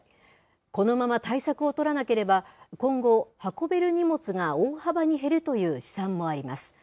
このまま対策を取らなければ、今後、運べる荷物が大幅に減るという試算もあります。